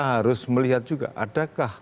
harus melihat juga adakah